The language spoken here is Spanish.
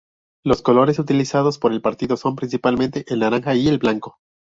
Los colores utilizados por el partido son principalmente el naranja y el blanco.